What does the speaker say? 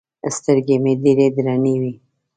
سترګې مې ډېرې درنې وې.